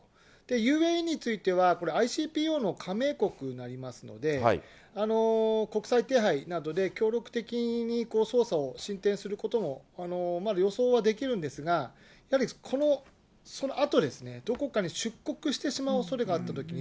ＵＡＥについては、これ、ＩＣＰＯの加盟国になりますので、国際手配などで協力的に捜査を進展することも、予想はできるんですが、やはりそのあと、どこかに出国してしまうおそれがあったときに、